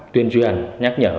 dùm đường các trắng